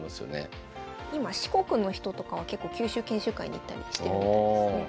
今四国の人とかは結構九州研修会に行ったりしてるみたいですね。